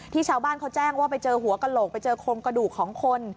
ชาวบ้านเขาแจ้งว่าไปเจอหัวกระโหลกไปเจอโครงกระดูกของคน